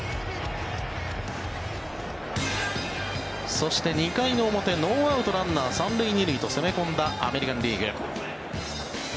そして２回の表ノーアウト、ランナー３塁２塁と攻め込んだアメリカン・リーグ。